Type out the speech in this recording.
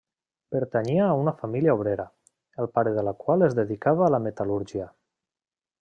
Pertanyia a una família obrera, el pare de la qual es dedicava a la metal·lúrgia.